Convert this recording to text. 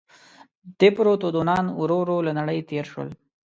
دیپروتودونان ورو ورو له نړۍ تېر شول.